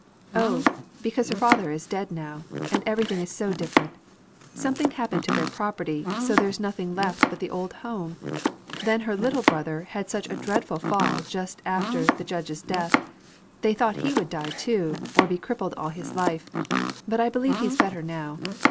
"O, because her father is dead now, and everything is so different. Something happened to their property, so there's nothing left but the old home. Then her little brother had such a dreadful fall just after the Judge's death. They thought he would die, too, or be a cripple all his life; but I believe he's better now.